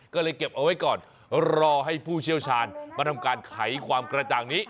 ก็เลยเก็บเอาไว้ก่อนรอให้ผู้เชี่ยวชาญมาทำการไขความกระจ่างนี้